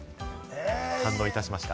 堪能いたしました。